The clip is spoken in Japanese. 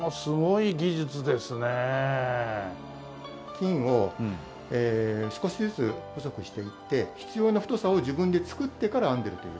金を少しずつ細くしていって必要な太さを自分で作ってから編んでるという事ですね。